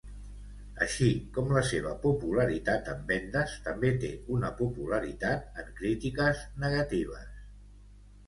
Així com la seva popularitat en vendes, també té una popularitat en crítiques negatives.